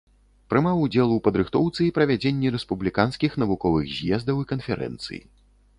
Прымаў удзел у падрыхтоўцы і правядзенні рэспубліканскіх навуковых з'ездаў і канферэнцый.